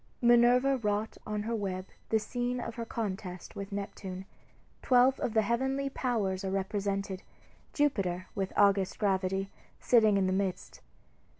Minerva wrought on her web the scene of her contest with Neptune. Twelve of the heavenly powers are represented, Jupiter, with august gravity, sitting in the midst.